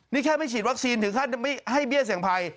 นี่แค่ไม่ฉีดวัคซีนถึงขั้นไม่ให้เบี้ยเสี่ยงภัย